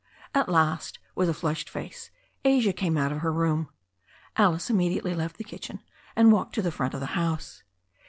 At last, with a flushed face, Asia came out of her room. Alice immediately left the kitchen and walked to the front of the house.